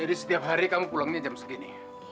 jadi setiap hari kamu pulangnya jam segini